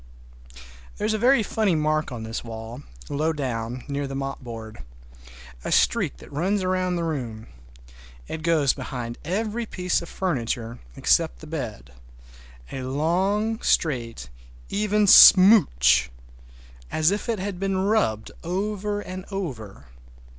There is a very funny mark on this wall, low down, near the mopboard. A streak that runs round the room. It goes behind every piece of furniture, except the bed, a long, straight, even smooch, as if it had been rubbed over and over.